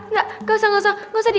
nggak nggak usah nggak usah